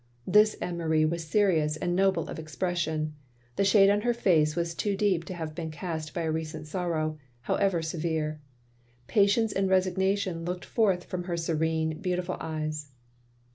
This Anne Marie was serious and noble of expression; the shade on her face was too deep to have been cast by a recent sorrow, however severe. Patience and resignation looked forth from her serene, beautiful eyes.